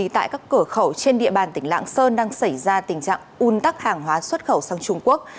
tại các cửa khẩu trên địa bàn tỉnh lạng sơn đang xảy ra tình trạng un tắc hàng hóa xuất khẩu sang trung quốc